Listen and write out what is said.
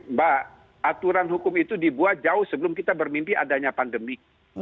mbak aturan hukum itu dibuat jauh sebelum kita bermimpi adanya pandemi